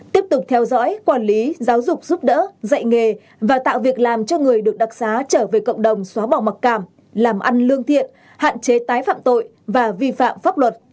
tiếp tục theo dõi quản lý giáo dục giúp đỡ dạy nghề và tạo việc làm cho người được đặc xá trở về cộng đồng xóa bỏ mặc cảm làm ăn lương thiện hạn chế tái phạm tội và vi phạm pháp luật